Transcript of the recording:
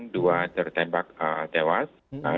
dua tertembak tewas